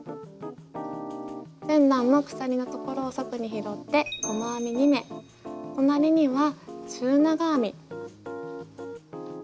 前段の鎖のところを束に拾って細編み２目隣には中長編み。